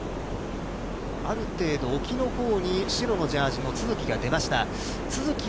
ある程度、沖のほうに白のジャージの都筑が出ました。